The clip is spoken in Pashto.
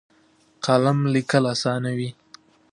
قلم لیکل اسانوي.